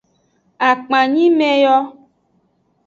Akpanyime yo.